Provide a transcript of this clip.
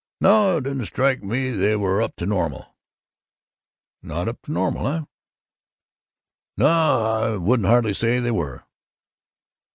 "No, didn't strike me they were up to normal." "Not up to normal, eh?" "No, I wouldn't hardly say they were."